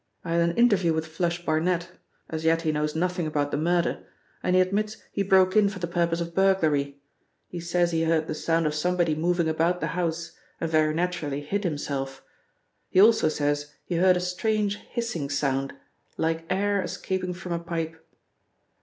I had an interview with 'Flush' Barnet as yet he knows nothing about the murder and he admits he broke in for the purpose of burglary. He says he heard the sound of somebody moving about the house, and very naturally hid himself. He also says he heard a strange hissing sound, like air escaping from a pipe.